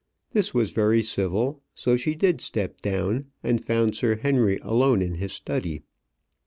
This was very civil; so she did step down, and found Sir Henry alone in his study.